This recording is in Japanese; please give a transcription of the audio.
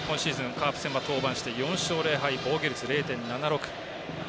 カープ戦は登板して、４勝０敗防御率０．７６。